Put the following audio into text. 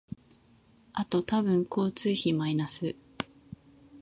あと多分交通費マイナス